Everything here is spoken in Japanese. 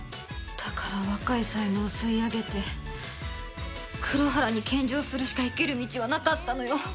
だから若い才能を吸い上げて黒原に献上するしか生きる道はなかったのよ。